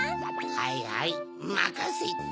はいはいまかせて。